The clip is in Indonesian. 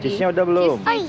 cheese nya udah belum